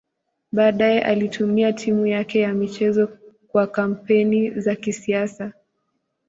Baadaye alitumia timu yake ya michezo kwa kampeni za kisiasa.